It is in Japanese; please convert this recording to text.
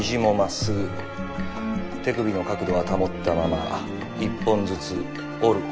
手首の角度は保ったまま一本ずつ折る。